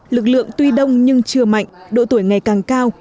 lực lượng tuy đông nhưng chưa mạnh độ tuổi ngày càng cao